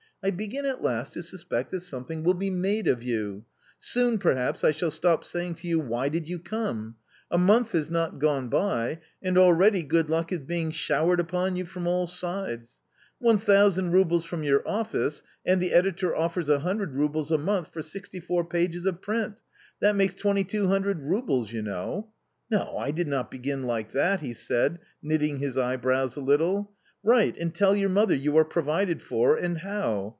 I begin at last to suspect that something will be made of you ; soon perhaps I shall stop saying to you, * Why did you come ?' A month has not gone by, and already good luck is being showered upon you from all sides. 1000 roubles from your office, and the editor offers ioo roubles a month for sixty four pages of print; that makes 2200 roubles you know ! No, I did not begin like that !" he said, knitting his eyebrows a little. " Write and tell your mother you are provided for and how.